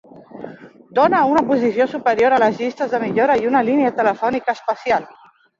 Dóna una posició superior a les llistes de millora i una línia telefònica especial.